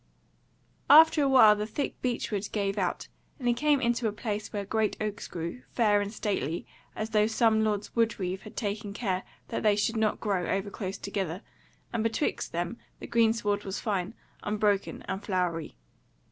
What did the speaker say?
After a while the thick beech wood gave out, and he came into a place where great oaks grew, fair and stately, as though some lord's wood reeve had taken care that they should not grow over close together, and betwixt them the greensward was fine, unbroken, and flowery.